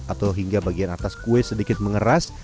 atau hingga bagian atas kue sedikit mengeras